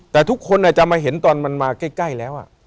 แต่ทุกคนจะมาเห็นตอนมันมาใกล้แล้ว